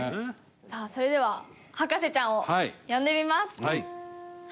さあそれでは博士ちゃんを呼んでみます。